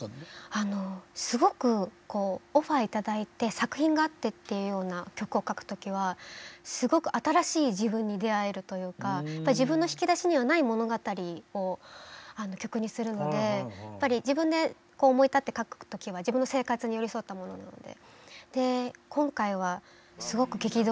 すごくこうオファー頂いて作品があってっていうような曲を書く時はすごく新しい自分に出会えるというか自分の引き出しにはない物語を曲にするのでやっぱり自分でこう思い立って書く時は自分の生活に寄り添ったものなので。